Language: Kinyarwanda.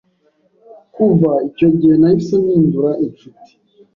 Kuva icyo gihe nahise mpindura inshuti,